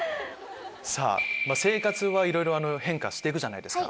さぁ生活はいろいろ変化して行くじゃないですか。